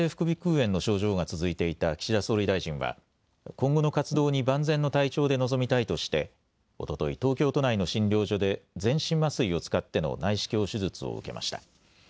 炎の症状が続いていた岸田総理大臣は今後の活動に万全の体調で臨みたいとしておととい東京都内の診療所で全身麻酔を使っての内視鏡手術を受けました。